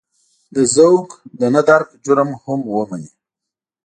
د ذوق د نه درک جرم هم ومني.